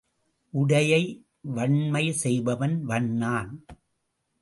உடையை வண்மை செய்பவன் வண்ணான்.